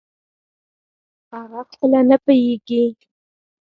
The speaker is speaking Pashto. اغه خپله نه پییږي